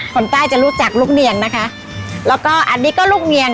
คนใต้จะรู้จักลูกเนียงนะคะแล้วก็อันนี้ก็ลูกเนียง